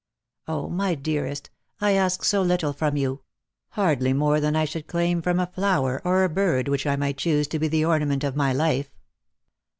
0, my dearest, I ask so little from you ; hardly more than I should claim from a flower or a bird which I might choose to be the ornament of my life.